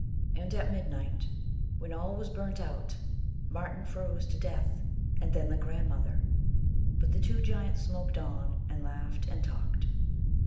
And at midnight, when all was burnt out, Marten froze to death, and then the grandmother, but the two giants smoked on, and laughed and talked.